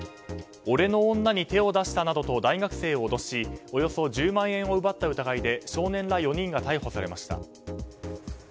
俺の女に手を出したなと大学生を脅し、およそ１０万円を奪った疑いで少年ら４人が逮捕されました。